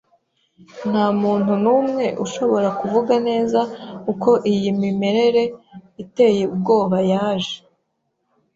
Ntamuntu numwe ushobora kuvuga neza uko iyi mimerere iteye ubwoba yaje.